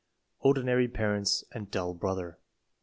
Ordinary parents and dull brother.